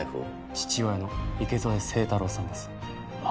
父親の池添清太郎さんです。